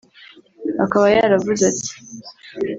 Akaba yaravuze ati